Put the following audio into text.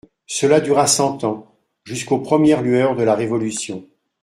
Cela dura cent ans, jusqu'aux premières lueurs de la Révolution.